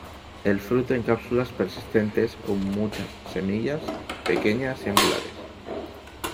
El fruto en cápsulas persistentes con muchas semilla, pequeñas y angulares.